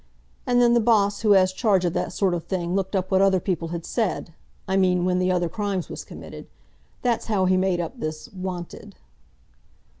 And then the boss who has charge of that sort of thing looked up what other people had said—I mean when the other crimes was committed. That's how he made up this 'Wanted.